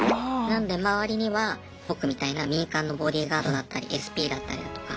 なので周りには僕みたいな民間のボディーガードだったりＳＰだったりだとか。